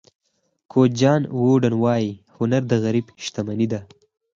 کوچ جان ووډن وایي هنر د غریب شتمني ده.